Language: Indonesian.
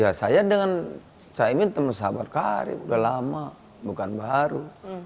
ya saya dengan saya ini teman sahabat kari sudah lama bukan baru